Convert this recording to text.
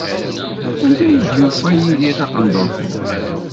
Anda ay d-yufa Yidir taqendurt-nni?